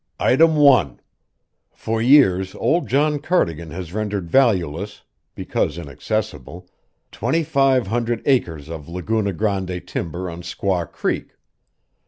"Item one: For years old John Cardigan has rendered valueless, because inaccessible, twenty five hundred acres of Laguna Grande timber on Squaw Creek.